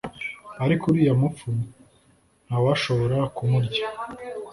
ariko uriya mupfu ntawashobora kumurya.»